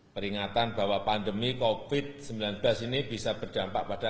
peringatan bahwa pandemi covid sembilan belas ini bisa berdampak pada